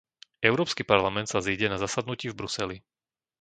Európsky parlament sa zíde na zasadnutí v Bruseli.